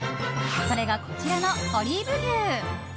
それが、こちらのオリーブ牛。